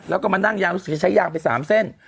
แล้วก็มานั่งยางต้องจะใช้ยางไปสามเส้น